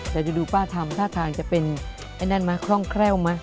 เดี๋ยวดูป้าทำถ้าทางจะเป็นไอ้นั่นมะคร่องแคล่วมะ